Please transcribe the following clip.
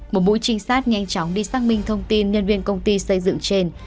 một mũi trinh sát nhanh chóng đi xác minh thông tin nhân viên công ty xây dựng trên